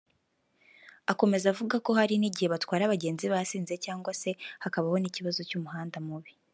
Akomeza avuga ko hari n’igihe batwara abagenzi basinze cyangwa se hakaba n’ikibazo cy’umuhanda mubi